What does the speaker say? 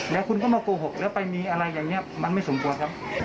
แล้วคุณก็มาโกหกแล้วไปมีอะไรอย่างนี้มันไม่สมควรครับ